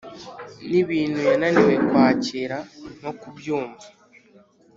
nibintu yananiwe kwakira nokubyumva.